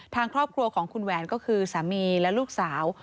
ทางครอบครัวของคุณแหวนก็คือสามีและลูกสาว